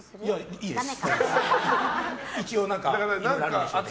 いいです。